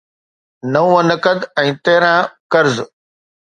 نو نقد ۽ تيرهن قرض